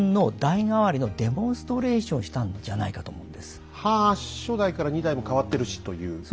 実際ははぁ初代から２代も替わってるしという。